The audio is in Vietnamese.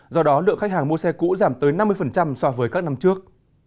do đó lượng khách hàng mua xe cũ giảm tới năm mươi so với các năm trước